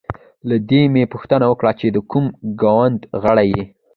له ده مې پوښتنه وکړه چې د کوم ګوند غړی یې.